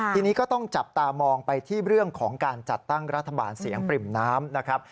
ทีนี้ก็ต้องจับตามองไปที่เรื่องของการจัดตั้งรัฐบาลเสียงปริ่มน้ำนะครับ